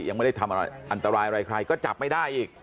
ยังไม่ได้ทำอะไรอันตรายอะไรใครก็จับไม่ได้อีก